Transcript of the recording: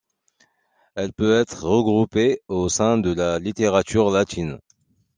Elle peut être regroupée au sein de la littérature latine.